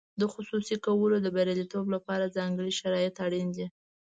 د خصوصي کولو د بریالیتوب لپاره ځانګړي شرایط اړین دي.